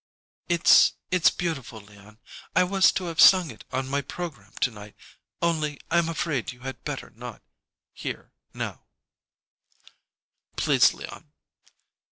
'" "It it's beautiful, Leon. I was to have sung it on my program to night only, I'm afraid you had better not here now " "Please, Leon!